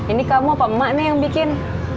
ini kamu apa emak emak nih yang bikin